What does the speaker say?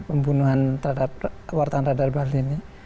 pembunuhan terhadap wartan radar bali ini